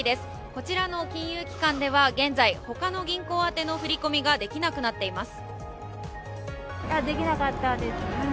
こちらの金融機関では現在、ほかの銀行宛ての振り込みができなくなっています。